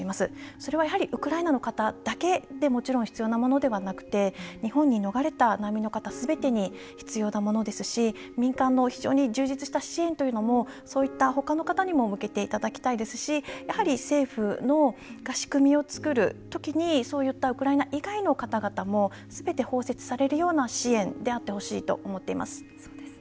それはやはりウクライナの方だけでもちろん必要なものではなくて日本に逃れた難民の方すべてに必要なものですし民間の非常に充実した支援というのもそういったほかの方にも向けていただきたいですしやはり政府が仕組みを作る時にそういったウクライナ以外の方々もすべて包摂されるような支援であってほしいと思っています。